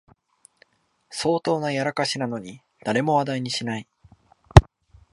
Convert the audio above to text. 相当なやらかしなのに誰も話題にしない